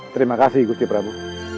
terima kasih gusti prabu